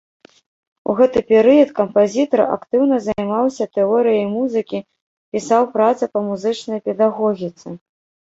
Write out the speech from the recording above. У гэты перыяд кампазітар актыўна займаўся тэорыяй музыкі, пісаў працы па музычнай педагогіцы.